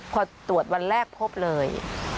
พอตรวจวันแรกพบเลย